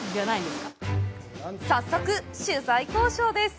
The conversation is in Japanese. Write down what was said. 早速、取材交渉です。